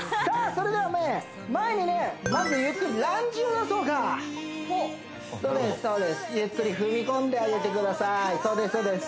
それではね前にねまずゆっくりランジを出そうかそうですゆっくり踏み込んであげてくださいそうです